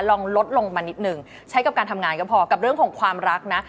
ลองลดลงมานิดนึงใช้กับการทำงานก็พอกับเรื่องของความรักนะ